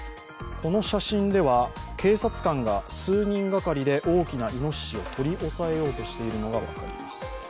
この写真では、警察官が数人がかりで大きないのししを取り押さえようとしているのが分かります。